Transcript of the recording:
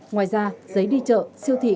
ngoài ra giấy đi chợ siêu thị